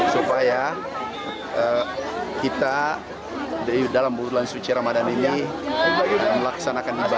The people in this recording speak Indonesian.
supaya kita dalam bulan suci ramadan ini melaksanakan ibadah